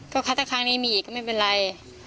ก็ถ้าครั้งนี้มีอีกก็ไม่เป็นไร